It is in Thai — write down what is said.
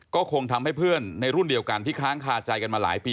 ก็คงทำให้เพื่อนในรุ่นเดียวกันที่ค้างคาใจกันมาหลายปี